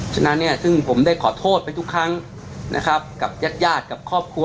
ฉะนั้นเนี่ยซึ่งผมได้ขอโทษไปทุกครั้งนะครับกับญาติญาติกับครอบครัว